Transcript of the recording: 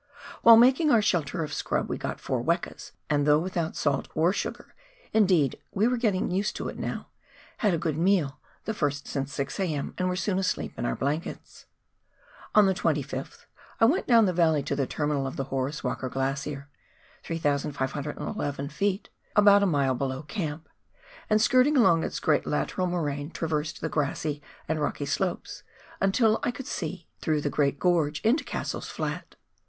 While making our shelter of scrub we got four wekas, and though without salt or sugar — indeed, we were getting used to it now — we had a good meal, the first since 6 a.m., and were soon asleep in our blankets. On the 2oth I went down the valley to the terminal of the Horace Walker Glacier (3,511 ft.) — about a mile below camp — and skirting along its great lateral moraine, traversed the grassy and rocky slopes until I could see through the great 238 PIOXEER WORK IN THE ALPS OF NEW ZEALAND. Gforge into Cassell's Flat.